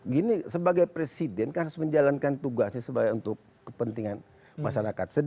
gini sebagai presiden kan harus menjalankan tugasnya sebagai untuk kepentingan masyarakat